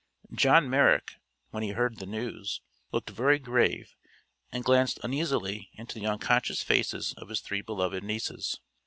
John Merrick, when he heard the news, looked very grave and glanced uneasily into the unconscious faces of his three beloved nieces.